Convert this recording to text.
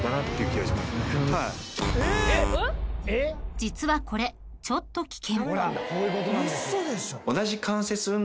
［実はこれちょっと危険］